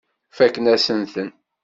Fakken-asen-ten.